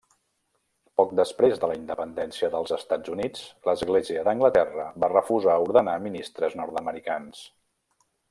Poc després de la independència dels Estats Units, l'Església d'Anglaterra va refusar ordenar ministres nord-americans.